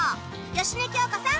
芳根京子さん